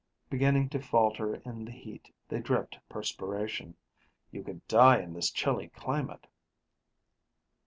Beginning to falter in the heat, they dripped perspiration. "You could die in this chilly climate."